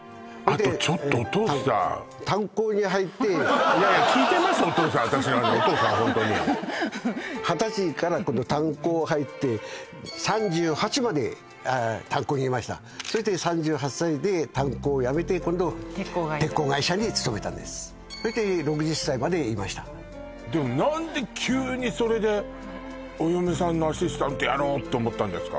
あとちょっとお父さん炭鉱に入っていやいや私の話お父さんホントに二十歳から今度炭鉱入って３８まで炭鉱にいましたそして３８歳で炭鉱を辞めて今度鉄鋼会社鉄鋼会社に勤めたんですそして６０歳までいましたでも何で急にそれでお嫁さんのアシスタントやろうって思ったんですか？